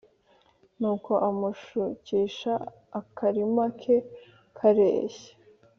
Nuko amushukisha akarimi ke kareshya